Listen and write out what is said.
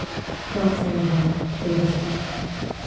' Don't say a word,' they whispered.